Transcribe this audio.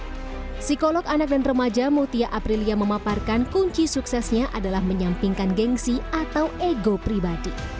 psikolog anak dan remaja mutia aprilia memaparkan kunci suksesnya adalah menyampingkan gengsi atau ego pribadi